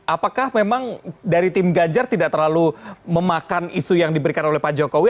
apakah memang dari tim ganjar tidak terlalu memakan isu yang diberikan oleh pak jokowi